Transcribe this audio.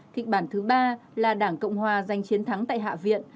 kịch bản thứ ba là đảng cộng hòa giành chiến thắng tại hạ viện